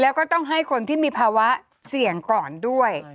แล้วก็ต้องให้คนที่มีภาวะเสี่ยงก่อนด้วย